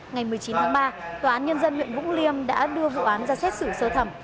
ngày một mươi chín tháng ba tòa án nhân dân huyện vũng liêm đã đưa vụ án ra xét xử sơ thẩm